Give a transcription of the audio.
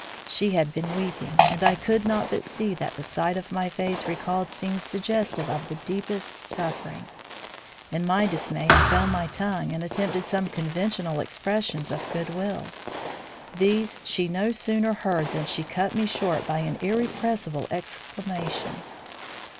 She had been weeping, and I could not but see that the sight of my face recalled scenes suggestive of the deepest suffering. In my dismay I found my tongue and attempted some conventional expressions of good will. These she no sooner heard than she cut me short by an irrepressible exclamation.